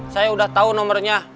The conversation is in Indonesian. saya udah tahu nomernya